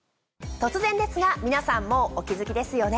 突然ですが皆さんもうお気付きですよね。